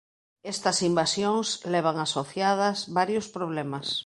Estas invasións levan asociadas varios problemas.